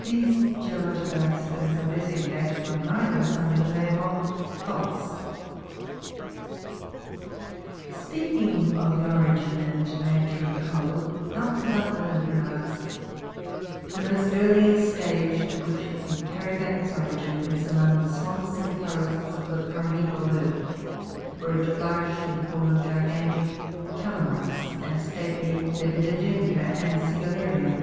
These geological accidents are designated by miners under the name of faults, (Jig. 55). Speaking of the origin and nature of coal, Dr. Buckland remarks, " The most early stage to which we can carry b<ick its origin, was among the swamps and forests of the primeval earth, where it flourished in the form of gigantic Ca'lamites, and stately Lepidode'ndra, and Sigilla'rice.